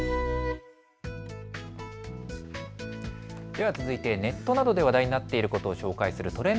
では続いてネットなどで話題になっていることを紹介するＴｒｅｎｄＰｉｃｋｓ。